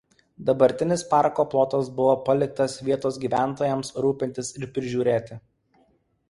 Dabartinis parko plotas buvo paliktas vietos gyventojams rūpintis ir prižiūrėti.